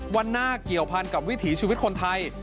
วันหน้าเกี่ยวพันกับวิถีชีวิตคนไทย